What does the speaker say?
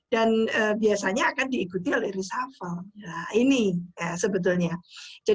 dan biasanya akan diikuti oleh resafel